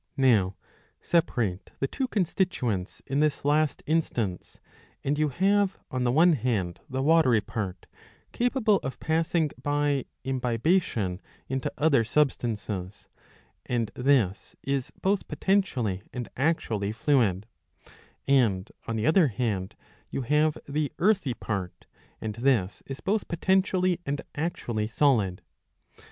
Now separate the two constituents in this last instance ; and you have on the one hand the watery part, capable of passing by imbibition into other substances, and this is both potentially and actually fluid ; and on the other hand you have the earthy part, and this is both potentially and actually solid.